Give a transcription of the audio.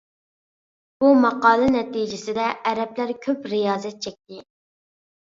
بۇ قامال نەتىجىسىدە ئەرەبلەر كۆپ رىيازەت چەكتى.